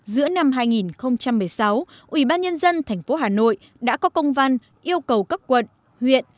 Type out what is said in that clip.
giữa năm hai nghìn một mươi sáu ủy ban nhân dân tp hà nội đã có công văn yêu cầu các quận huyện